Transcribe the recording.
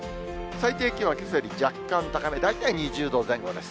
最低気温はけさより若干高め、大体２０度前後です。